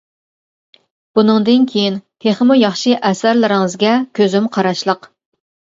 بۇنىڭدىن كىيىن تېخىمۇ ياخشى ئەسەرلىرىڭىزگە كۈزۈم قاراشلىق.